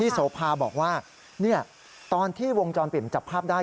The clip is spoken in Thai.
โสภาบอกว่าตอนที่วงจรปิดจับภาพได้